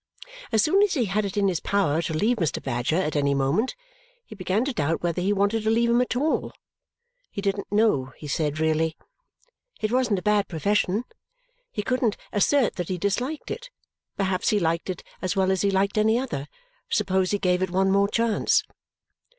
As soon as he had it in his power to leave Mr. Badger at any moment, he began to doubt whether he wanted to leave him at all. He didn't know, he said, really. It wasn't a bad profession; he couldn't assert that he disliked it; perhaps he liked it as well as he liked any other suppose he gave it one more chance!